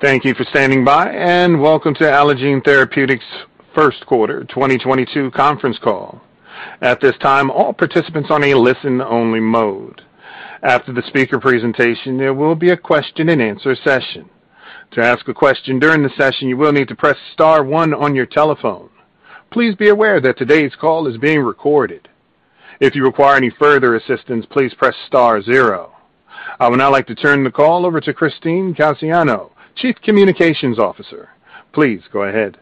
Thank you for standing by and welcome to Allogene Therapeutics' first quarter 2022 conference call. At this time, all participants are on a listen-only mode. After the speaker presentation, there will be a question-and-answer session. To ask a question during the session, you will need to press star one on your telephone. Please be aware that today's call is being recorded. If you require any further assistance, please press star zero. I would now like to turn the call over to Christine Cassiano, Chief Communications Officer. Please go ahead.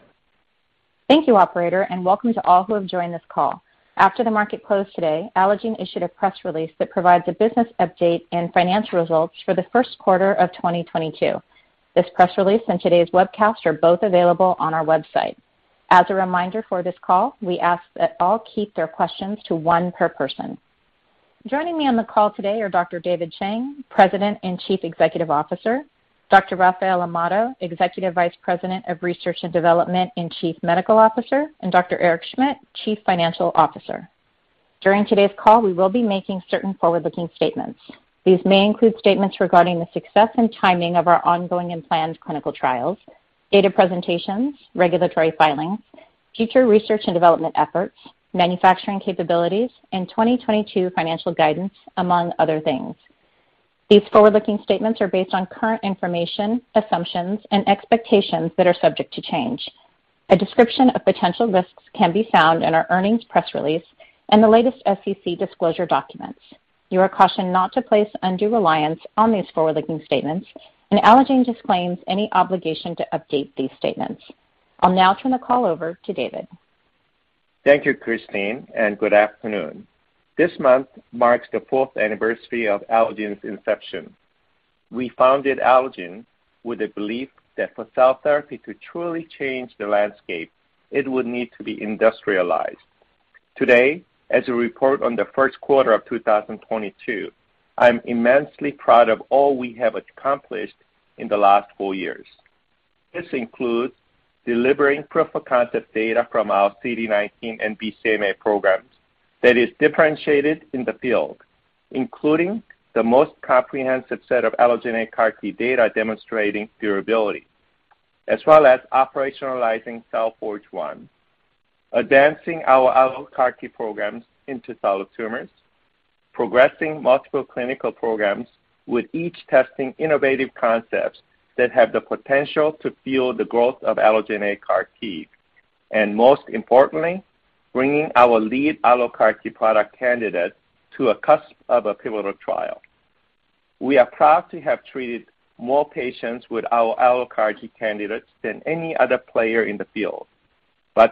Thank you, operator, and welcome to all who have joined this call. After the market closed today, Allogene issued a press release that provides a business update and financial results for the first quarter of 2022. This press release and today's webcast are both available on our website. As a reminder for this call, we ask that all keep their questions to one per person. Joining me on the call today are Dr. David Chang, President and Chief Executive Officer, Dr. Rafael Amado, Executive Vice President of Research and Development and Chief Medical Officer, and Dr. Eric Schmidt, Chief Financial Officer. During today's call, we will be making certain forward-looking statements. These may include statements regarding the success and timing of our ongoing and planned clinical trials, data presentations, regulatory filings, future research and development efforts, manufacturing capabilities, and 2022 financial guidance, among other things. These forward-looking statements are based on current information, assumptions, and expectations that are subject to change. A description of potential risks can be found in our earnings press release and the latest SEC disclosure documents. You are cautioned not to place undue reliance on these forward-looking statements, and Allogene disclaims any obligation to update these statements. I'll now turn the call over to David. Thank you, Christine, and good afternoon. This month marks the fourth anniversary of Allogene's inception. We founded Allogene with the belief that for cell therapy to truly change the landscape, it would need to be industrialized. Today, as we report on the first quarter of 2022, I'm immensely proud of all we have accomplished in the last four years. This includes delivering proof-of-concept data from our CD19 and BCMA programs that is differentiated in the field, including the most comprehensive set of allogeneic CAR T data demonstrating durability, as well as operationalizing Cell Forge 1, advancing our AlloCAR T programs into solid tumors, progressing multiple clinical programs with each testing innovative concepts that have the potential to fuel the growth of allogeneic CAR T, and most importantly, bringing our lead AlloCAR T product candidate to a cusp of a pivotal trial. We are proud to have treated more patients with our AlloCAR T candidates than any other player in the field.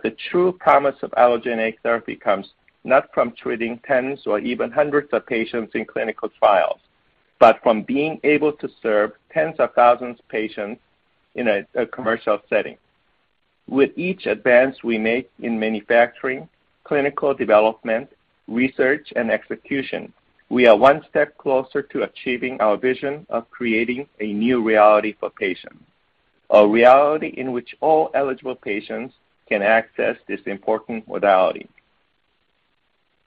The true promise of allogeneic therapy comes not from treating tens or even hundreds of patients in clinical trials, but from being able to serve tens of thousands of patients in a commercial setting. With each advance we make in manufacturing, clinical development, research, and execution, we are one step closer to achieving our vision of creating a new reality for patients, a reality in which all eligible patients can access this important modality.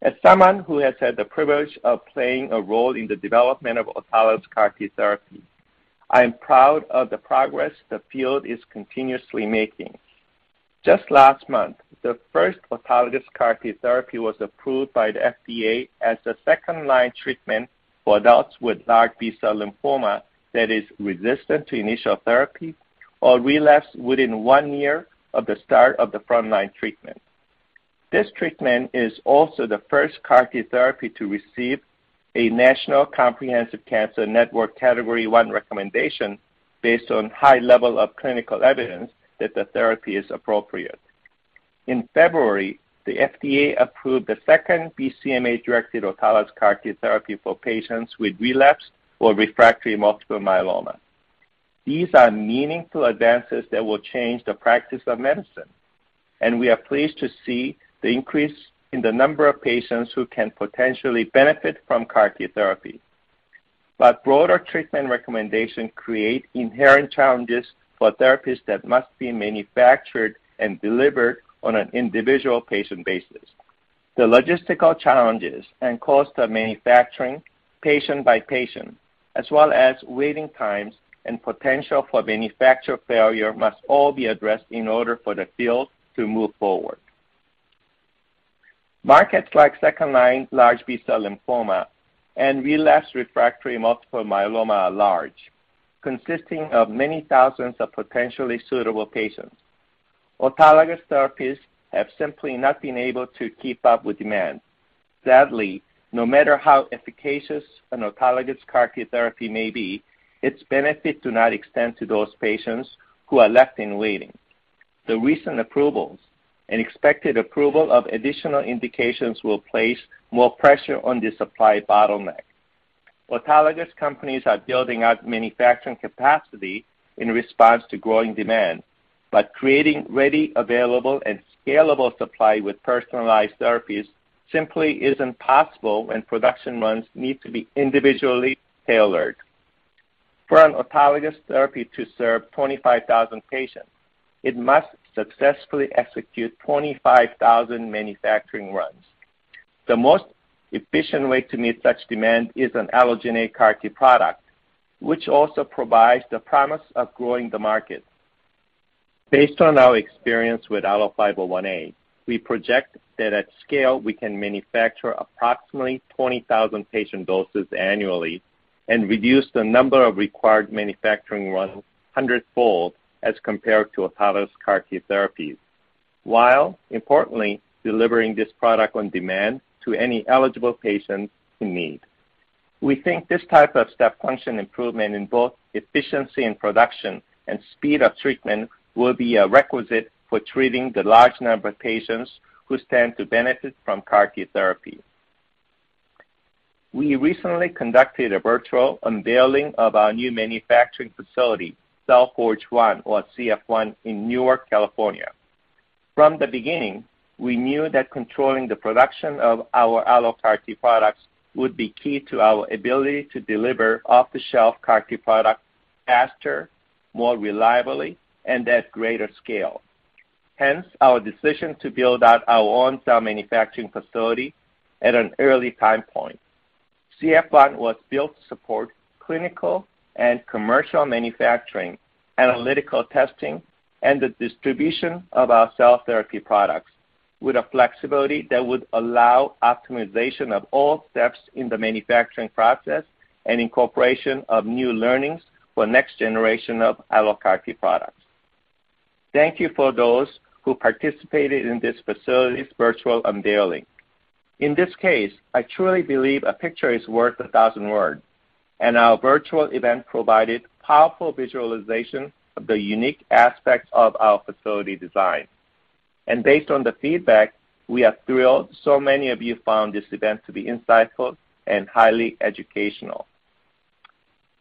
As someone who has had the privilege of playing a role in the development of autologous CAR-T therapy, I am proud of the progress the field is continuously making. Just last month, the first autologous CAR-T therapy was approved by the FDA as a second-line treatment for adults with large B-cell lymphoma that is resistant to initial therapy or relapsed within one year of the start of the front-line treatment. This treatment is also the first CAR-T therapy to receive a National Comprehensive Cancer Network category one recommendation based on high level of clinical evidence that the therapy is appropriate. In February, the FDA approved the second BCMA-directed autologous CAR-T therapy for patients with relapsed or refractory multiple myeloma. These are meaningful advances that will change the practice of medicine, and we are pleased to see the increase in the number of patients who can potentially benefit from CAR-T therapy. Broader treatment recommendations create inherent challenges for therapies that must be manufactured and delivered on an individual patient basis. The logistical challenges and cost of manufacturing patient by patient, as well as waiting times and potential for manufacturing failure, must all be addressed in order for the field to move forward. Markets like second-line large B-cell lymphoma and relapsed/refractory multiple myeloma are large, consisting of many thousands of potentially suitable patients. Autologous therapies have simply not been able to keep up with demand. Sadly, no matter how efficacious an autologous CAR-T therapy may be, its benefits do not extend to those patients who are left waiting. The recent approvals and expected approval of additional indications will place more pressure on the supply bottleneck. Autologous companies are building out manufacturing capacity in response to growing demand, but creating ready, available, and scalable supply with personalized therapies simply isn't possible when production runs need to be individually tailored. For an autologous therapy to serve 25,000 patients, it must successfully execute 25,000 manufacturing runs. The most efficient way to meet such demand is an allogeneic CAR T product, which also provides the promise of growing the market. Based on our experience with ALLO-501A, we project that at scale, we can manufacture approximately 20,000 patient doses annually and reduce the number of required manufacturing runs hundredfold as compared to autologous CAR-T therapies, while importantly delivering this product on demand to any eligible patients in need. We think this type of step function improvement in both efficiency and production and speed of treatment will be a requisite for treating the large number of patients who stand to benefit from CAR-T therapy. We recently conducted a virtual unveiling of our new manufacturing facility, Cell Forge 1, or CF-1, in Newark, California. From the beginning, we knew that controlling the production of our AlloCAR T products would be key to our ability to deliver off-the-shelf CAR-T products faster, more reliably, and at greater scale. Hence, our decision to build out our own cell manufacturing facility at an early time point. C1 was built to support clinical and commercial manufacturing, analytical testing, and the distribution of our cell therapy products with a flexibility that would allow optimization of all steps in the manufacturing process and incorporation of new learnings for next generation of AlloCAR T products. Thank you for those who participated in this facility's virtual unveiling. In this case, I truly believe a picture is worth a thousand words, and our virtual event provided powerful visualization of the unique aspects of our facility design. Based on the feedback, we are thrilled so many of you found this event to be insightful and highly educational.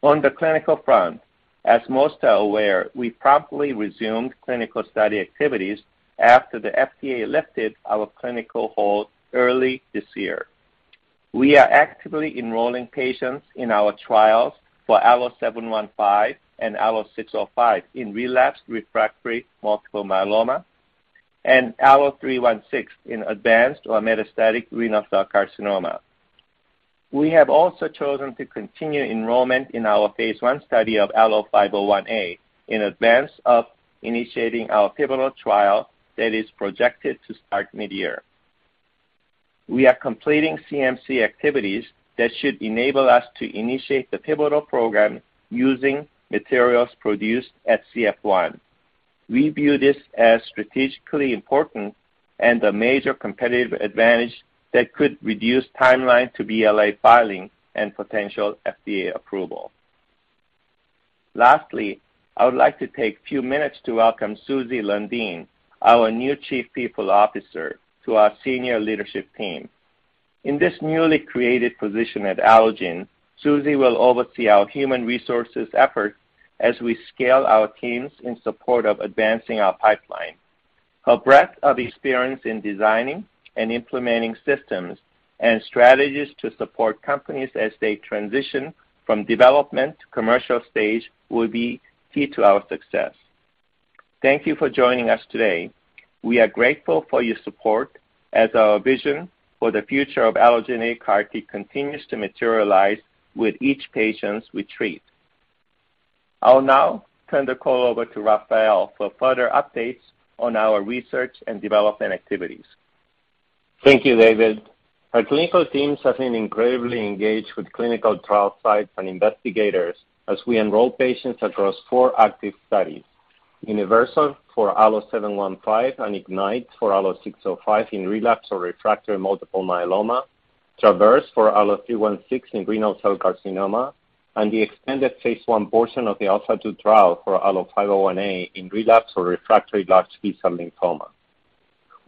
On the clinical front, as most are aware, we promptly resumed clinical study activities after the FDA lifted our clinical hold early this year. We are actively enrolling patients in our trials for ALLO-715 and ALLO-605 in relapsed/refractory multiple myeloma and ALLO-316 in advanced or metastatic renal cell carcinoma. We have also chosen to continue enrollment in our phase 1 study of ALLO-501A in advance of initiating our pivotal trial that is projected to start mid-year. We are completing CMC activities that should enable us to initiate the pivotal program using materials produced at CF-1. We view this as strategically important and a major competitive advantage that could reduce timeline to BLA filing and potential FDA approval. Lastly, I would like to take a few minutes to welcome Susie Lundeen, our new Chief People Officer, to our senior leadership team. In this newly created position at Allogene, Susie will oversee our human resources efforts as we scale our teams in support of advancing our pipeline. Her breadth of experience in designing and implementing systems and strategies to support companies as they transition from development to commercial stage will be key to our success. Thank you for joining us today. We are grateful for your support as our vision for the future of Allogene CAR-T continues to materialize with each patients we treat. I'll now turn the call over to Rafael for further updates on our research and development activities. Thank you, David. Our clinical teams have been incredibly engaged with clinical trial sites and investigators as we enroll patients across four active studies, UNIVERSAL for ALLO-715 and IGNITE for ALLO-605 in relapsed or refractory multiple myeloma, TRAVERSE for ALLO-316 in renal cell carcinoma, and the expanded phase 1 portion of the ALPHA2 trial for ALLO-501A in relapsed or refractory large B-cell lymphoma.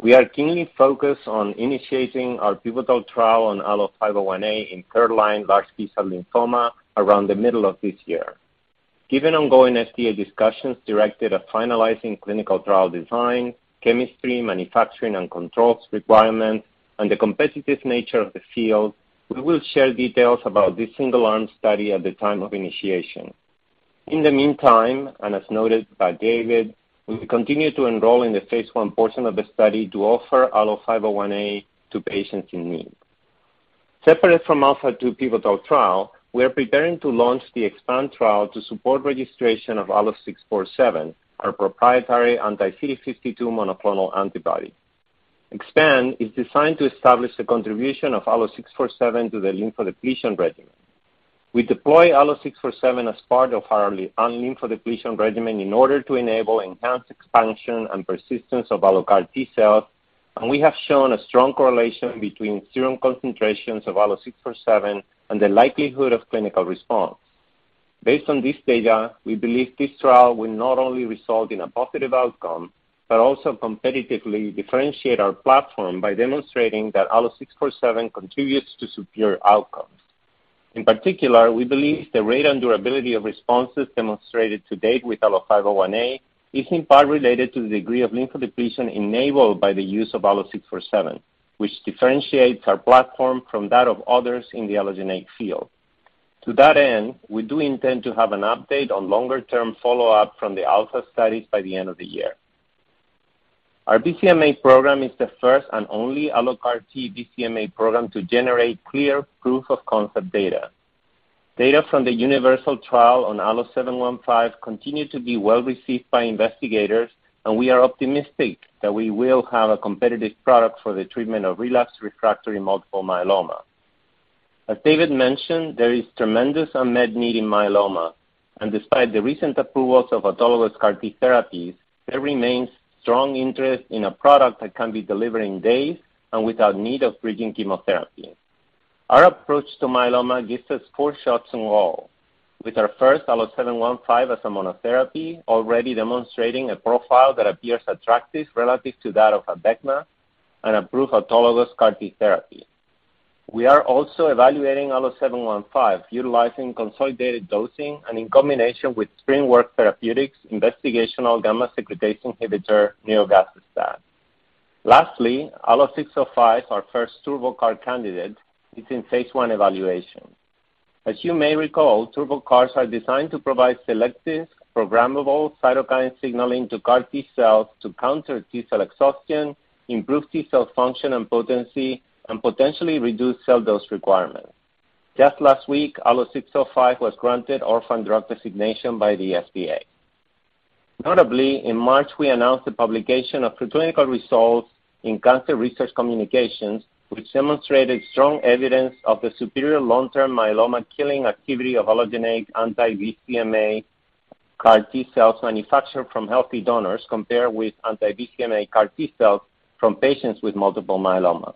We are keenly focused on initiating our pivotal trial on ALLO-501A in third-line large B-cell lymphoma around the middle of this year. Given ongoing FDA discussions directed at finalizing clinical trial design, chemistry, manufacturing, and controls requirements and the competitive nature of the field, we will share details about this single-arm study at the time of initiation. In the meantime, as noted by David, we will continue to enroll in the phase one portion of the study to offer ALLO-501A to patients in need. Separate from ALPHA2 pivotal trial, we are preparing to launch the EXPAND trial to support registration of ALLO-647, our proprietary anti-CD52 monoclonal antibody. EXPAND is designed to establish the contribution of ALLO-647 to the lymphodepletion regimen. We deploy ALLO-647 as part of our lymphodepletion regimen in order to enable enhanced expansion and persistence of AlloCAR T cells, and we have shown a strong correlation between serum concentrations of ALLO-647 and the likelihood of clinical response. Based on this data, we believe this trial will not only result in a positive outcome, but also competitively differentiate our platform by demonstrating that ALLO-647 contributes to superior outcomes. In particular, we believe the rate and durability of responses demonstrated to date with ALLO-501A is in part related to the degree of lymphodepletion enabled by the use of ALLO-647, which differentiates our platform from that of others in the allogeneic field. To that end, we do intend to have an update on longer-term follow-up from the ALPHA studies by the end of the year. Our BCMA program is the first and only AlloCAR T BCMA program to generate clear proof of concept data. Data from the UNIVERSAL trial on ALLO-715 continue to be well received by investigators, and we are optimistic that we will have a competitive product for the treatment of relapsed refractory multiple myeloma. As David mentioned, there is tremendous unmet need in myeloma, and despite the recent approvals of autologous CAR T therapies, there remains strong interest in a product that can be delivered in days and without need of bridging chemotherapy. Our approach to myeloma gives us four shots on goal, with our first ALLO-715 as a monotherapy already demonstrating a profile that appears attractive relative to that of ABECMA and approved autologous CAR T therapy. We are also evaluating ALLO-715, utilizing consolidated dosing and in combination with SpringWorks Therapeutics investigational gamma secretase inhibitor, nirogacestat. Lastly, ALLO-605, our first TurboCAR candidate, is in phase 1 evaluation. As you may recall, TurboCARs are designed to provide selective, programmable cytokine signaling to CAR T cells to counter T-cell exhaustion, improve T-cell function and potency, and potentially reduce cell dose requirements. Just last week, ALLO-605 was granted Orphan Drug Designation by the FDA. Notably, in March, we announced the publication of preclinical results in Cancer Research Communications, which demonstrated strong evidence of the superior long-term myeloma killing activity of allogeneic anti-BCMA CAR T cells manufactured from healthy donors compared with anti-BCMA CAR T cells from patients with multiple myeloma.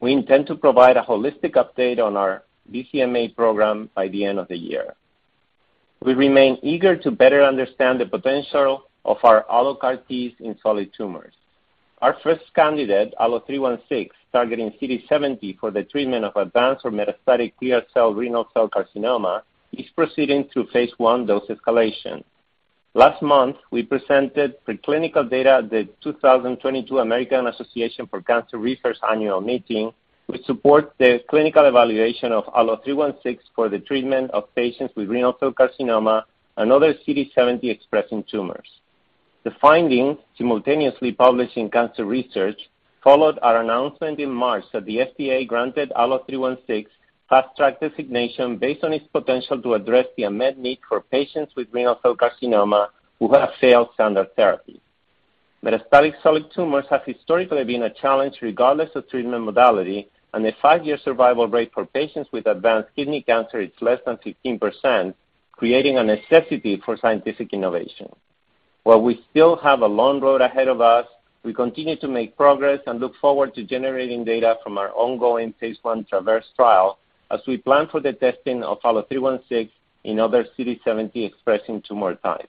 We intend to provide a holistic update on our BCMA program by the end of the year. We remain eager to better understand the potential of our AlloCAR Ts in solid tumors. Our first candidate, ALLO-316, targeting CD70 for the treatment of advanced or metastatic clear cell renal cell carcinoma, is proceeding through phase 1 dose escalation. Last month, we presented preclinical data at the 2022 American Association for Cancer Research annual meeting, which supports the clinical evaluation of ALLO-316 for the treatment of patients with renal cell carcinoma and other CD70-expressing tumors. The finding, simultaneously published in Cancer Research, followed our announcement in March that the FDA granted ALLO-316 Fast Track designation based on its potential to address the unmet need for patients with renal cell carcinoma who have failed standard therapy. Metastatic solid tumors have historically been a challenge regardless of treatment modality, and the five-year survival rate for patients with advanced kidney cancer is less than 15%, creating a necessity for scientific innovation. While we still have a long road ahead of us, we continue to make progress and look forward to generating data from our ongoing phase 1 TRAVERSE trial as we plan for the testing of ALLO-316 in other CD70-expressing tumor types.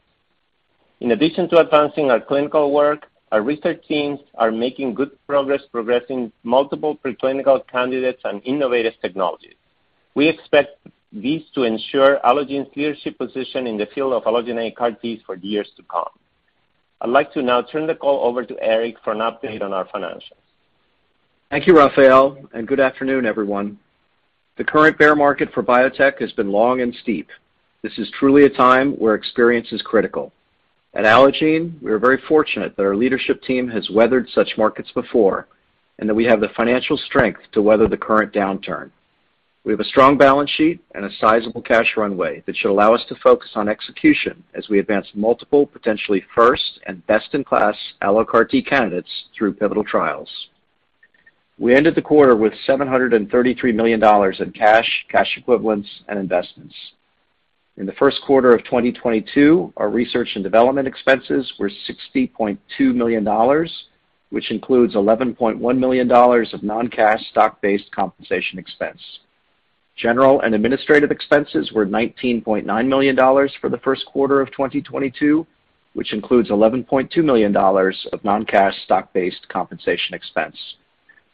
In addition to advancing our clinical work, our research teams are making good progress progressing multiple preclinical candidates and innovative technologies. We expect these to ensure Allogene's leadership position in the field of allogeneic CAR T's for years to come. I'd like to now turn the call over to Eric for an update on our financials. Thank you, Rafael, and good afternoon, everyone. The current bear market for biotech has been long and steep. This is truly a time where experience is critical. At Allogene, we are very fortunate that our leadership team has weathered such markets before and that we have the financial strength to weather the current downturn. We have a strong balance sheet and a sizable cash runway that should allow us to focus on execution as we advance multiple potentially first and best-in-class AlloCAR T candidates through pivotal trials. We ended the quarter with $733 million in cash equivalents, and investments. In the first quarter of 2022, our research and development expenses were $60.2 million, which includes $11.1 million of non-cash stock-based compensation expense. General and administrative expenses were $19.9 million for the first quarter of 2022, which includes $11.2 million of non-cash stock-based compensation expense.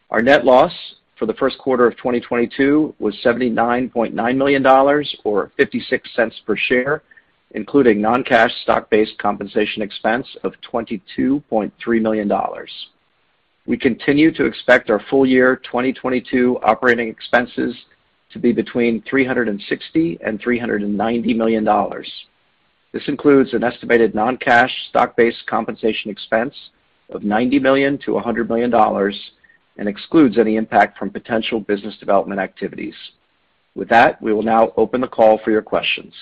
Our net loss for the first quarter of 2022 was $79.9 million or $0.56 per share, including non-cash stock-based compensation expense of $22.3 million. We continue to expect our full-year 2022 operating expenses to be between $360 million and $390 million. This includes an estimated non-cash stock-based compensation expense of $90 million-$100 million and excludes any impact from potential business development activities. With that, we will now open the call for your questions.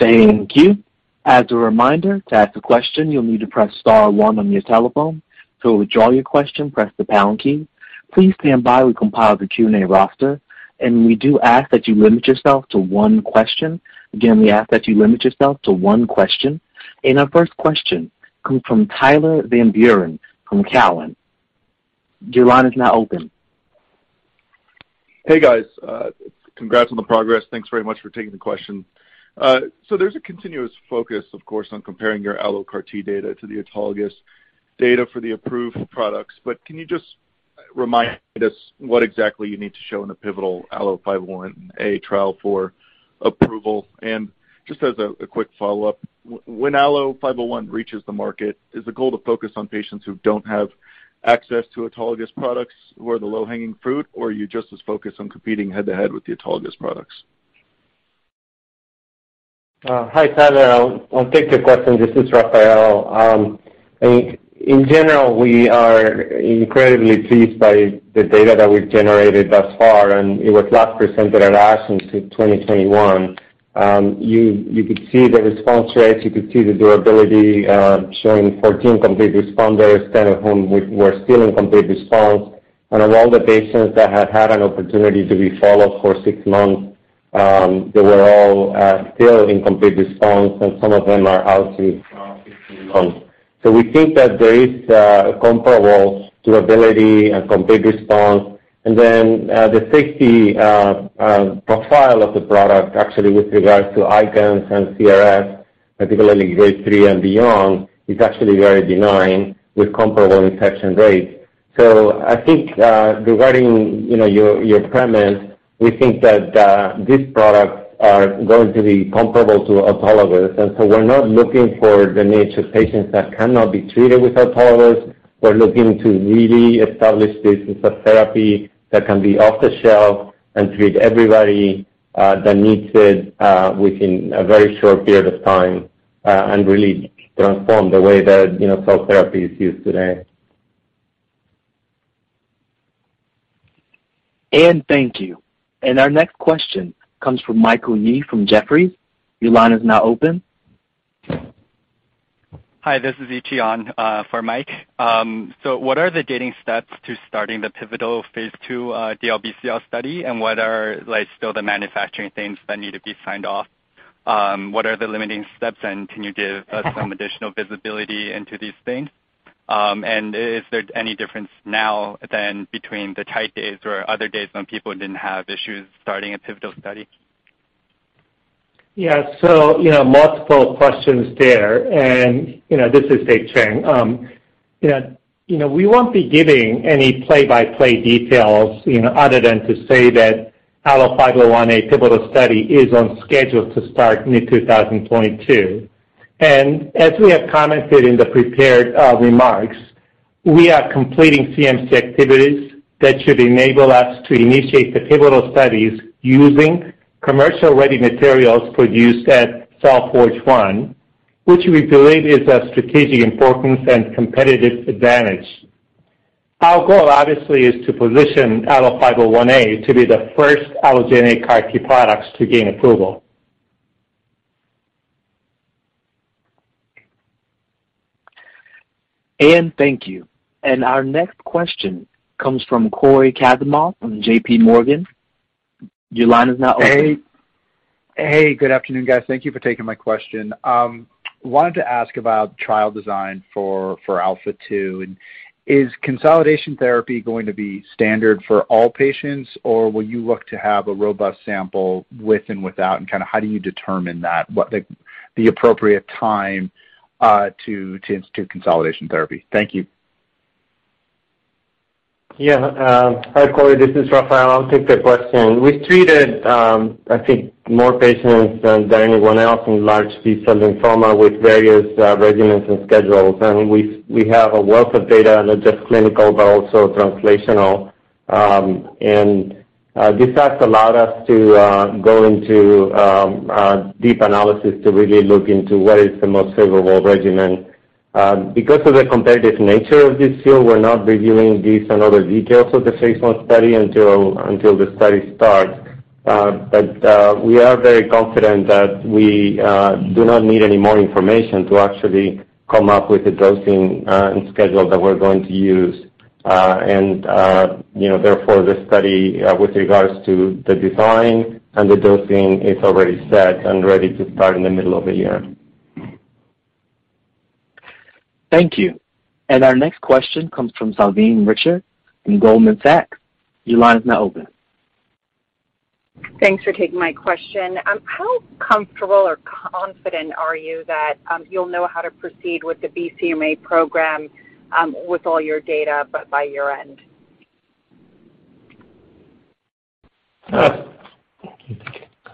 Thank you. As a reminder, to ask a question, you'll need to press star one on your telephone. To withdraw your question, press the pound key. Please stand by. We compiled the Q&A roster, and we do ask that you limit yourself to one question. Again, we ask that you limit yourself to one question. Our first question comes from Tyler Van Buren from Cowen. Your line is now open. Hey, guys. Congrats on the progress. Thanks very much for taking the question. So there's a continuous focus, of course, on comparing your AlloCAR T data to the autologous data for the approved products. Can you just remind us what exactly you need to show in a pivotal ALLO-501A trial for approval? Just as a quick follow-up, when ALLO-501 reaches the market, is the goal to focus on patients who don't have access to autologous products who are the low-hanging fruit, or are you just as focused on competing head-to-head with the autologous products? Hi, Tyler. I'll take the question. This is Rafael. In general, we are incredibly pleased by the data that we've generated thus far, and it was last presented at ASH in 2021. You could see the response rates, you could see the durability, showing 14 complete responders, 10 of whom were still in complete response. Among the patients that have had an opportunity to be followed for 6 months, they were all still in complete response, and some of them are out to 15 months. We think that there is a comparable durability and complete response. Then, the safety profile of the product actually with regards to ICANS and CRS, particularly grade 3 and beyond, is actually very benign with comparable infection rates. I think, regarding, you know, your premise, we think that this product are going to be comparable to autologous. We're not looking for the niche of patients that cannot be treated with autologous. We're looking to really establish this as a therapy that can be off the shelf and treat everybody that needs it within a very short period of time and really transform the way that, you know, cell therapy is used today. Thank you. Our next question comes from Michael Yee from Jefferies. Your line is now open. Hi, this is Eun Yang for Michael Yee. What are the gating steps to starting the pivotal phase 2 DLBCL study? What are, like, still the manufacturing things that need to be signed off? What are the limiting steps, and can you give us some additional visibility into these things? Is there any difference now than between the TAI days or other days when people didn't have issues starting a pivotal study? Yeah. You know, multiple questions there. You know, this is David Chang. You know, we won't be giving any play-by-play details, you know, other than to say that ALLO-501A pivotal study is on schedule to start mid-2022. As we have commented in the prepared remarks, we are completing CMC activities that should enable us to initiate the pivotal studies using commercial-ready materials produced at Cell Forge 1, which we believe is of strategic importance and competitive advantage. Our goal, obviously, is to position ALLO-501A to be the first allogeneic CAR T products to gain approval. Thank you. Our next question comes from Cory Kasimov from J.P. Morgan. Your line is now open. Hey. Hey, good afternoon, guys. Thank you for taking my question. Wanted to ask about trial design for ALPHA2. Is consolidation therapy going to be standard for all patients, or will you look to have a robust sample with and without? Kinda how do you determine that, what the appropriate time to institute consolidation therapy? Thank you. Yeah. Hi, Cory. This is Rafael. I'll take the question. We've treated, I think more patients than anyone else in large B-cell lymphoma with various regimens and schedules. We have a wealth of data, not just clinical, but also translational. This has allowed us to go into a deep analysis to really look into what is the most favorable regimen. Because of the competitive nature of this field, we're not revealing these and other details of the phase 1 study until the study starts. We are very confident that we do not need any more information to actually come up with a dosing and schedule that we're going to use. You know, therefore the study with regards to the design and the dosing is already set and ready to start in the middle of the year. Thank you. Our next question comes from Salveen Richter from Goldman Sachs. Your line is now open. Thanks for taking my question. How comfortable or confident are you that you'll know how to proceed with the BCMA program with all your data by your end?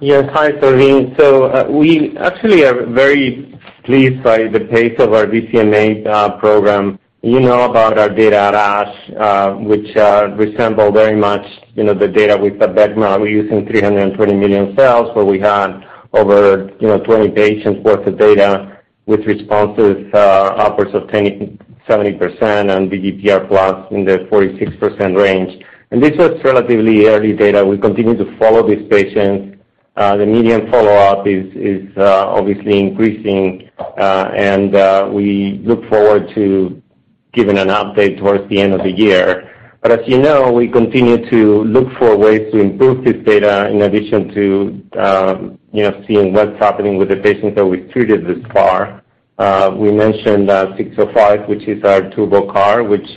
Yes. Hi, Salveen. We actually are very pleased by the pace of our BCMA program. You know about our data at ASH, which resemble very much, you know, the data with the benchmark. We're using 320 million cells, but we had over, you know, 20 patients worth of data with responses upwards of 70% and VGPR plus in the 46% range. This is relatively early data. We continue to follow these patients. The median follow-up is obviously increasing, and we look forward to giving an update towards the end of the year. As you know, we continue to look for ways to improve this data in addition to, you know, seeing what's happening with the patients that we've treated thus far. We mentioned 605, which is our TurboCAR, which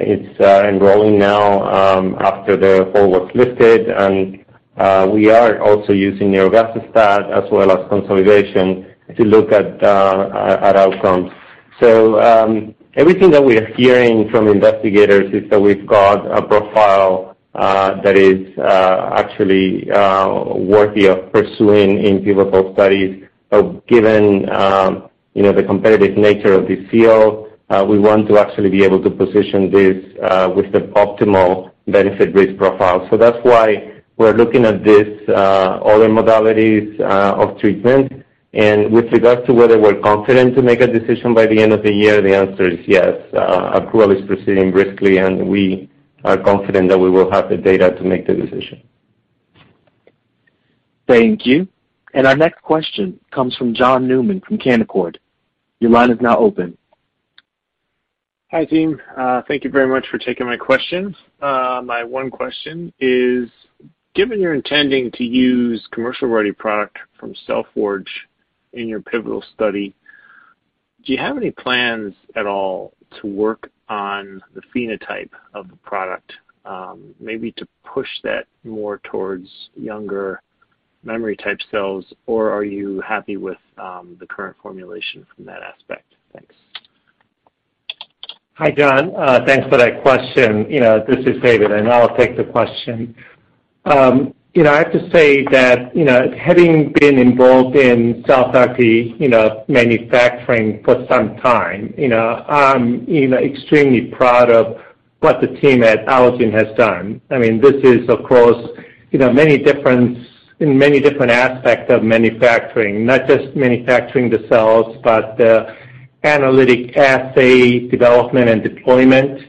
it's enrolling now after the hold was lifted. We are also using nirogacestat as well as consolidation to look at outcomes. Everything that we're hearing from investigators is that we've got a profile that is actually worthy of pursuing in pivotal studies. Given you know the competitive nature of this field, we want to actually be able to position this with the optimal benefit risk profile. That's why we're looking at this other modalities of treatment. With regards to whether we're confident to make a decision by the end of the year, the answer is yes. Our trial is proceeding briskly, and we are confident that we will have the data to make the decision. Thank you. Our next question comes from John Newman from Canaccord. Your line is now open. Hi, team. Thank you very much for taking my questions. My one question is, given you're intending to use commercial-ready product from Cellforge in your pivotal study, do you have any plans at all to work on the phenotype of the product, maybe to push that more towards younger memory type cells, or are you happy with the current formulation from that aspect? Thanks. Hi, John. Thanks for that question. You know, this is David, and I'll take the question. You know, I have to say that, you know, having been involved in CAR-T cell manufacturing for some time, you know, I'm, you know, extremely proud of what the team at Allogene has done. I mean, this is, of course, you know, in many different aspects of manufacturing, not just manufacturing the cells, but the analytical assay development and deployment,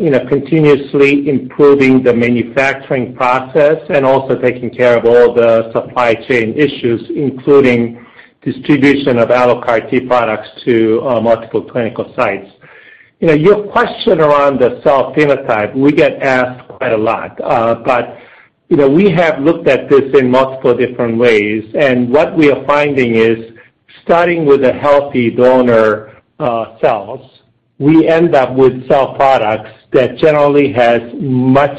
you know, continuously improving the manufacturing process and also taking care of all the supply chain issues, including distribution of AlloCAR T products to multiple clinical sites. You know, your question around the cell phenotype, we get asked quite a lot. You know, we have looked at this in multiple different ways, and what we are finding is starting with a healthy donor cells, we end up with cell products that generally has much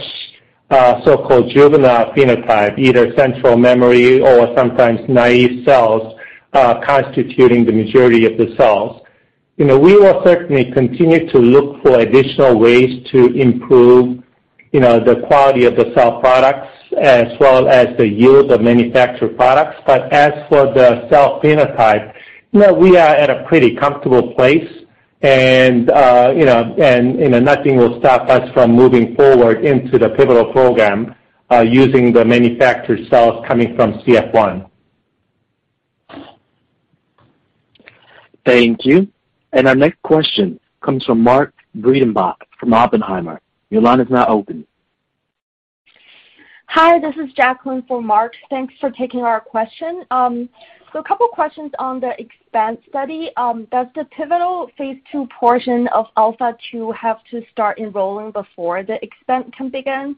so-called juvenile phenotype, either central memory or sometimes naive cells constituting the majority of the cells. You know, we will certainly continue to look for additional ways to improve you know the quality of the cell products as well as the yield of manufactured products. As for the cell phenotype, you know, we are at a pretty comfortable place and you know nothing will stop us from moving forward into the pivotal program using the manufactured cells coming from CF-1. Thank you. Our next question comes from Mark Breidenbach from Oppenheimer. Your line is now open. Hi, this is Jacqueline for Mark. Thanks for taking our question. A couple questions on the EXPAND study. Does the pivotal phase 2 portion of ALPHA2 have to start enrolling before the EXPAND can begin?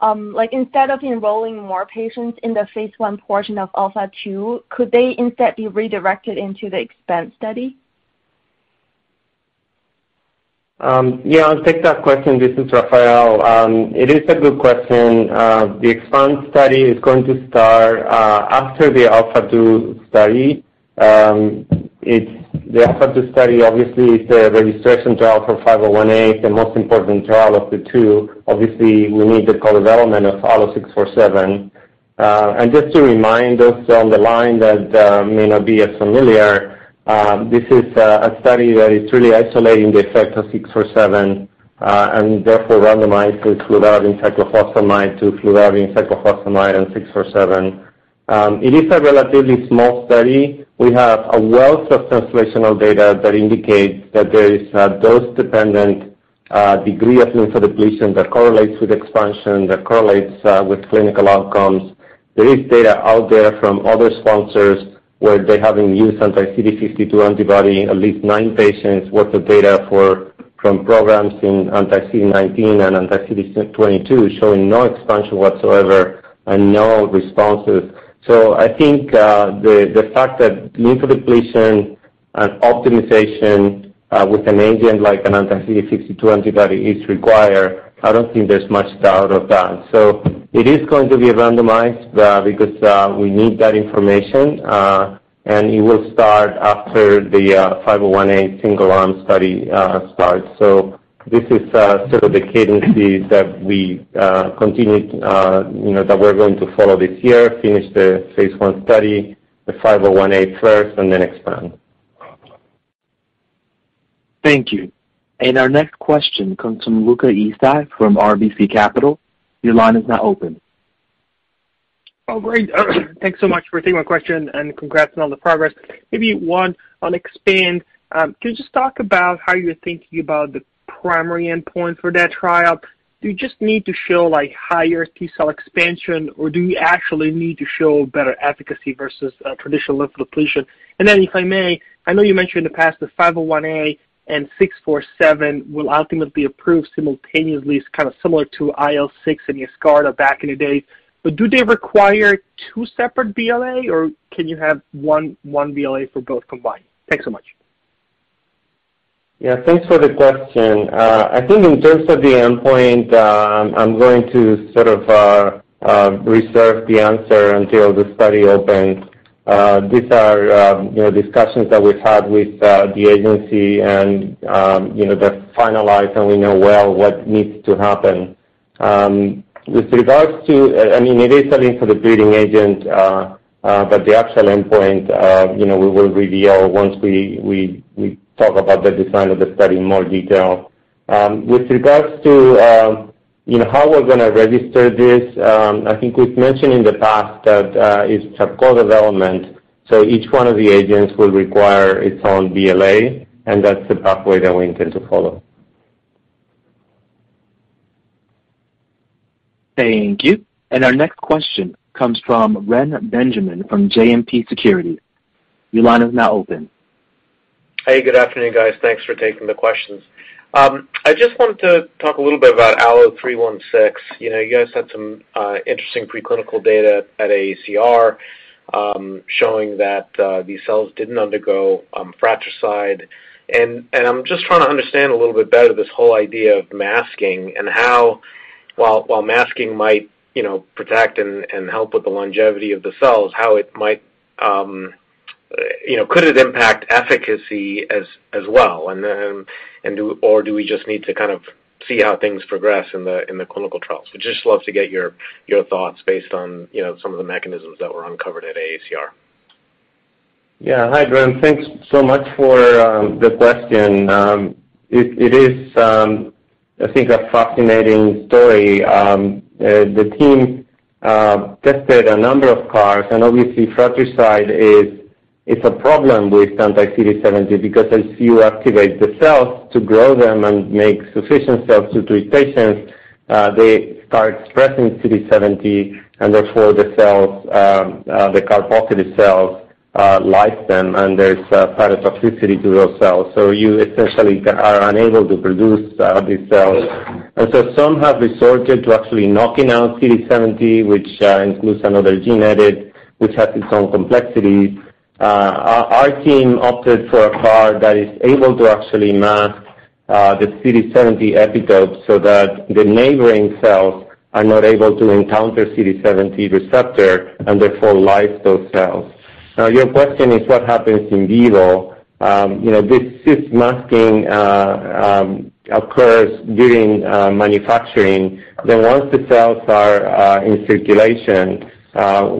Like, instead of enrolling more patients in the phase 1 portion of ALPHA2, could they instead be redirected into the EXPAND study? Yeah, I'll take that question. This is Rafael. It is a good question. The EXPAND study is going to start after the ALPHA2 study. The ALPHA2 study obviously is a registration trial for ALLO-501A. It's the most important trial of the two. Obviously, we need the co-development of ALLO-647. Just to remind us on the line that may not be as familiar, this is a study that is truly isolating the effect of ALLO-647, and therefore randomized with fludarabine, cyclophosphamide to fludarabine, cyclophosphamide and ALLO-647. It is a relatively small study. We have a wealth of translational data that indicates that there is a dose-dependent degree of lymphodepletion that correlates with expansion, that correlates with clinical outcomes. There is data out there from other sponsors where they haven't used anti-CD52 antibody, at least nine patients worth of data from programs in anti-CD19 and anti-CD22, showing no expansion whatsoever and no responses. I think the fact that lymphodepletion and optimization with an agent like an anti-CD52 antibody is required. I don't think there's much doubt of that. It is going to be randomized because we need that information, and it will start after the 501A single arm study starts. This is sort of the cadences that we continue, you know, that we're going to follow this year, finish the phase 1 study, the 501A first and then EXPAND. Thank you. Our next question comes from Luca Issi from RBC Capital. Your line is now open. Great. Thanks so much for taking my question, and congrats on all the progress. Maybe one on EXPAND. Can you just talk about how you're thinking about the primary endpoint for that trial? Do you just need to show, like, higher T-cell expansion, or do you actually need to show better efficacy versus traditional lymphodepletion? Then, if I may, I know you mentioned in the past that ALLO-501A and ALLO-647 will ultimately be approved simultaneously. It's kind of similar to IL-6 and Yescarta back in the day. Do they require two separate BLA, or can you have one BLA for both combined? Thanks so much. Yeah. Thanks for the question. I think in terms of the endpoint, I'm going to sort of reserve the answer until the study opens. These are, you know, discussions that we've had with the agency and, you know, they're finalized, and we know well what needs to happen. With regards to I mean, it is a lymphodepleting agent, but the actual endpoint, you know, we will reveal once we talk about the design of the study in more detail. With regards to, you know, how we're gonna register this, I think we've mentioned in the past that, it's co-development, so each one of the agents will require its own BLA, and that's the pathway that we intend to follow. Thank you. Our next question comes from Reni Benjamin from JMP Securities. Your line is now open. Hey, good afternoon, guys. Thanks for taking the questions. I just wanted to talk a little bit about ALLO-316. You know, you guys had some interesting preclinical data at AACR, showing that these cells didn't undergo fratricide. And I'm just trying to understand a little bit better this whole idea of masking and how while masking might, you know, protect and help with the longevity of the cells, how it might, you know, could it impact efficacy as well? And or do we just need to kind of see how things progress in the clinical trials? Just love to get your thoughts based on, you know, some of the mechanisms that were uncovered at AACR. Yeah. Hi, Ren. Thanks so much for the question. It is, I think, a fascinating story. The team tested a number of CARs and obviously fratricide is a problem with anti-CD70 because as you activate the cells to grow them and make sufficient cells to treat patients, they start expressing CD70 and therefore the cells, the CAR positive cells, lyse them, and there's part of toxicity to those cells. You essentially are unable to produce these cells. Some have resorted to actually knocking out CD70, which includes another gene edit, which has its own complexities. Our team opted for a CAR that is able to actually mask the CD70 epitopes so that the neighboring cells are not able to encounter CD70 receptor and therefore lyse those cells. Now your question is what happens in vivo? You know, this cis masking occurs during manufacturing. Once the cells are in circulation,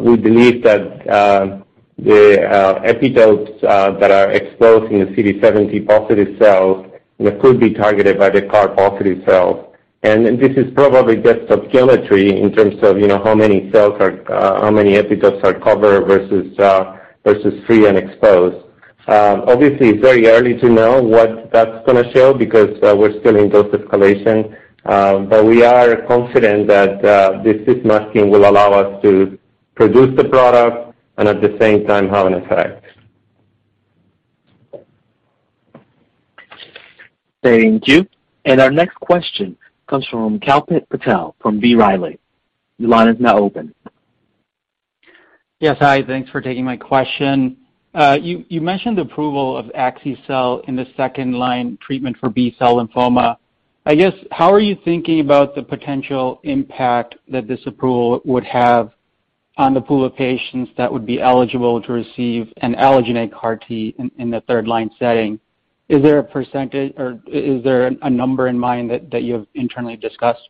we believe that the epitopes that are exposed in the CD70 positive cells could be targeted by the CAR positive cells. This is probably just stoichiometry in terms of, you know, how many epitopes are covered versus versus free and exposed. Obviously it's very early to know what that's gonna show because we're still in dose escalation. We are confident that this cis masking will allow us to produce the product and at the same time have an effect. Thank you. Our next question comes from Kalpit Patel from B. Riley. Your line is now open. Yes. Hi. Thanks for taking my question. You mentioned approval of Yescarta in the second line treatment for B-cell lymphoma. I guess how are you thinking about the potential impact that this approval would have on the pool of patients that would be eligible to receive an allogeneic CAR T in the third line setting? Is there a percentage or is there a number in mind that you have internally discussed?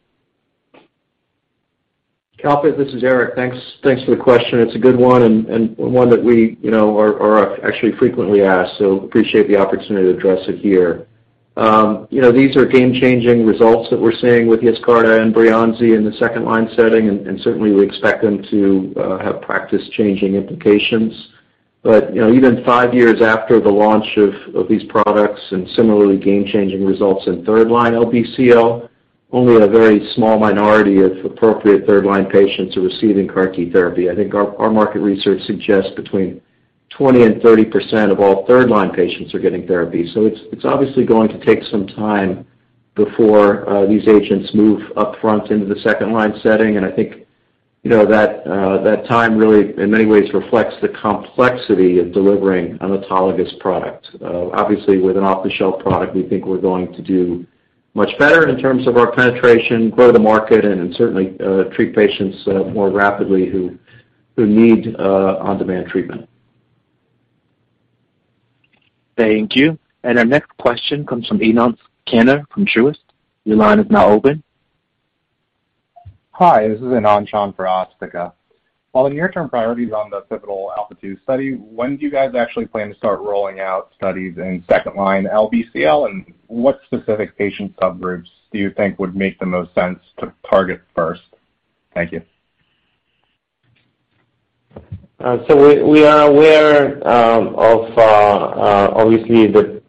Kalpit, this is Eric. Thanks for the question. It's a good one and one that we, you know, are actually frequently asked, so appreciate the opportunity to address it here. You know, these are game-changing results that we're seeing with Yescarta and Breyanzi in the second line setting, and certainly we expect them to have practice-changing implications. You know, even 5 years after the launch of these products and similarly game-changing results in third line LBCL, only a very small minority of appropriate third line patients are receiving CAR-T therapy. I think our market research suggests between 20 and 30% of all third line patients are getting therapy. It's obviously going to take some time before these agents move up front into the second line setting. I think, you know, that time really in many ways reflects the complexity of delivering an autologous product. Obviously with an off-the-shelf product, we think we're going to do much better in terms of our penetration, grow the market, and certainly treat patients more rapidly who need on-demand treatment. Thank you. Our next question comes from Asthika Goonewardene from Truist. Your line is now open. Hi. This is Anand for Asthika. While the near-term priority is on the pivotal ALPHA2 study, when do you guys actually plan to start rolling out studies in second-line LBCL and what specific patient subgroups do you think would make the most sense to target first? Thank you. We are aware of obviously the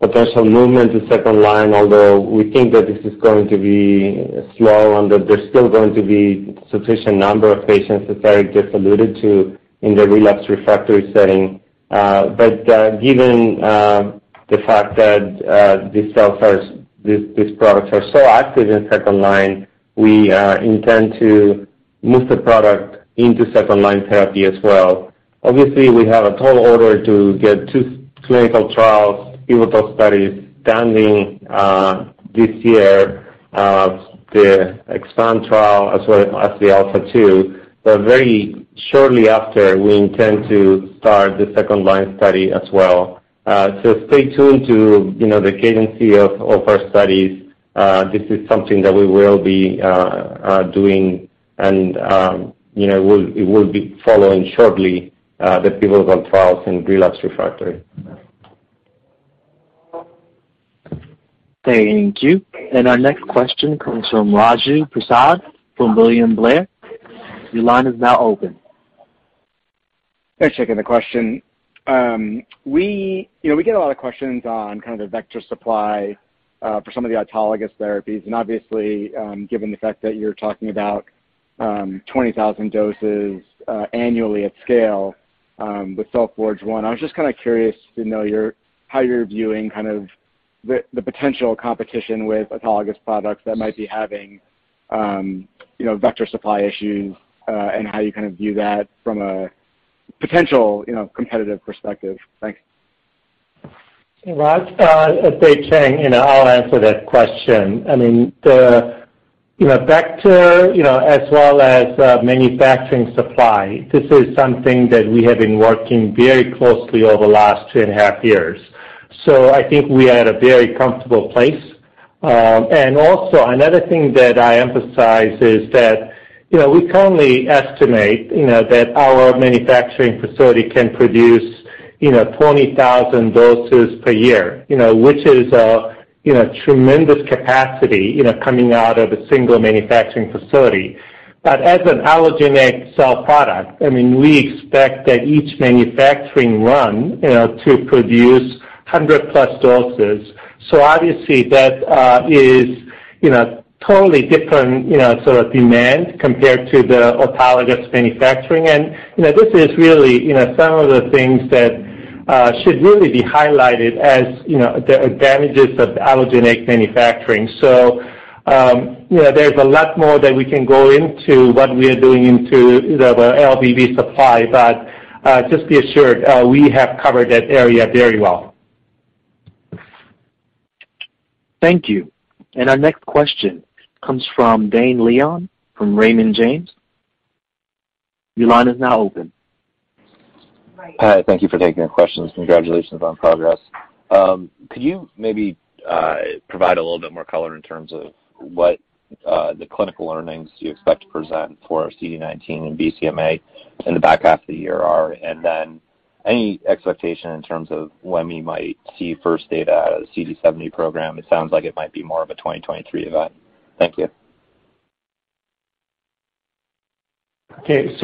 potential movement to second line, although we think that this is going to be slow and that there's still going to be sufficient number of patients, as Eric just alluded to, in the relapsed refractory setting. Given the fact that these products are so active in second line, we intend to move the product into second line therapy as well. Obviously, we have a total of two clinical trials, pivotal studies starting this year, the EXPAND trial as well as the ALPHA2. Very shortly after, we intend to start the second line study as well. Stay tuned to, you know, the cadence of our studies. This is something that we will be doing and, you know, it will be following shortly the pivotal trials in relapsed refractory. Thank you. Our next question comes from Raju Prasad from William Blair. Your line is now open. Thanks, Christine Cassiano. The question, you know, we get a lot of questions on kind of the vector supply for some of the autologous therapies, and obviously, given the fact that you're talking about 20,000 doses annually at scale with Cell Forge 1, I was just kinda curious to know your, how you're viewing kind of the potential competition with autologous products that might be having you know, vector supply issues, and how you kind of view that from a potential you know, competitive perspective. Thanks. Well, as they say, you know, I'll answer that question. I mean, the, you know, vector, you know, as well as, manufacturing supply, this is something that we have been working very closely over the last two and a half years. I think we are at a very comfortable place. And also another thing that I emphasize is that, you know, we currently estimate, you know, that our manufacturing facility can produce, you know, 20,000 doses per year, you know, which is a, you know, tremendous capacity, you know, coming out of a single manufacturing facility. But as an allogeneic cell product, I mean, we expect that each manufacturing run to produce 100+ doses. Obviously, that is you know totally different you know sort of demand compared to the autologous manufacturing and you know this is really you know some of the things that should really be highlighted as you know the advantages of allogeneic manufacturing. You know there's a lot more that we can go into what we are doing into the LVV supply but just be assured we have covered that area very well. Thank you. Our next question comes from Dane Leone, from Raymond James. Your line is now open. Hi. Thank you for taking the questions. Congratulations on progress. Could you maybe provide a little bit more color in terms of what the clinical learnings do you expect to present for CD19 and BCMA in the back half of the year are, and then any expectation in terms of when we might see first data out of the CD70 program? It sounds like it might be more of a 2023 event. Thank you. Okay.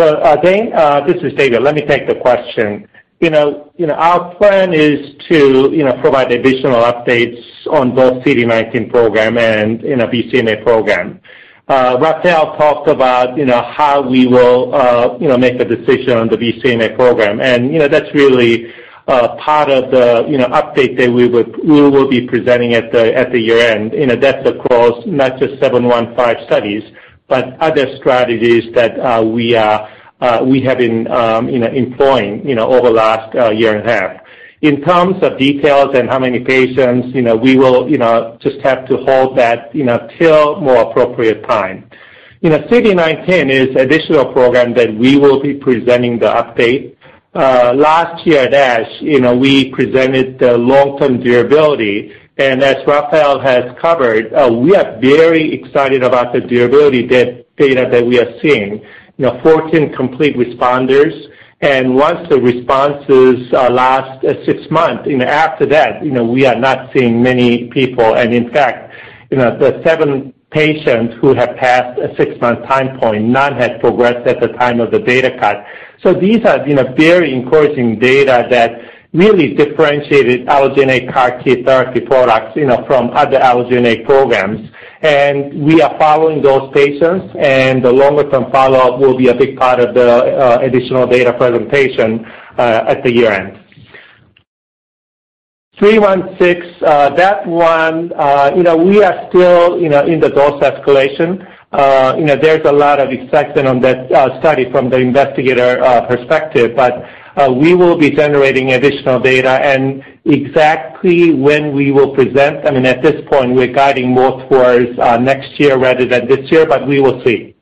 Dane, this is David. Let me take the question. You know, our plan is to, you know, provide additional updates on both CD19 program and, you know, BCMA program. Rafael talked about, you know, how we will, you know, make a decision on the BCMA program. You know, that's really part of the, you know, update that we will be presenting at the year-end. You know, that's across not just ALLO-715 studies, but other strategies that we are, we have been, you know, employing, you know, over the last year and a half. In terms of details and how many patients, you know, we will, you know, just have to hold that, you know, till more appropriate time. You know, CD19 is additional program that we will be presenting the update. Last year at ASH, you know, we presented the long-term durability, and as Rafael has covered, we are very excited about the durability data that we are seeing. You know, 14 complete responders, and once the responses last 6 months, you know, after that, you know, we are not seeing many people. In fact, you know, the 7 patients who have passed a 6-month time point, none has progressed at the time of the data cut. These are, you know, very encouraging data that really differentiated allogeneic CAR T therapy products, you know, from other allogeneic programs. We are following those patients, and the longer term follow-up will be a big part of the additional data presentation at the year-end. ALLO-316, that one, you know, we are still, you know, in the dose escalation. You know, there's a lot of excitement on that study from the investigator perspective, but we will be generating additional data and exactly when we will present, I mean, at this point, we're guiding more towards next year rather than this year, but we will see.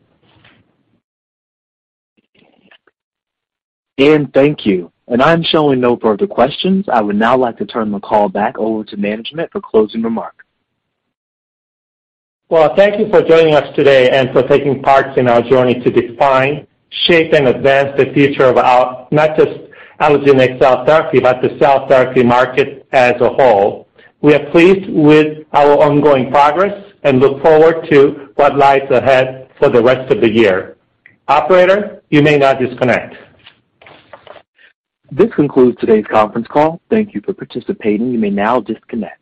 Dan, thank you. I'm showing no further questions. I would now like to turn the call back over to management for closing remarks. Well, thank you for joining us today and for taking part in our journey to define, shape and advance the future of our, not just allogeneic cell therapy, but the cell therapy market as a whole. We are pleased with our ongoing progress and look forward to what lies ahead for the rest of the year. Operator, you may now disconnect. This concludes today's conference call. Thank you for participating. You may now disconnect.